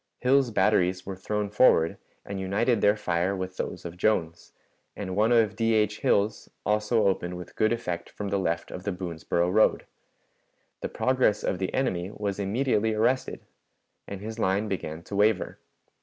Hill's batteries were thrown forward and united their fire with those of Jones, and one of D. H. Hill's also opened with good effect from the left of the Boonsboro road. The progress of the enemy was immediately arrested, and his line began to waver.